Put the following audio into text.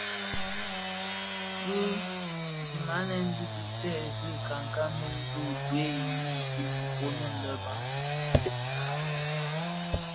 Bi dhinanèn di dhi tèèzi nkankan wu bi gued i mumfin mkpoňèn lè Bantu.